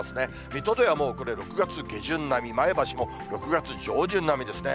水戸ではもうこれ６月下旬並み、前橋も６月上旬並みですね。